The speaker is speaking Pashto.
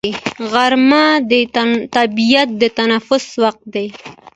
غرمه د طبیعت د تنفس وخت دی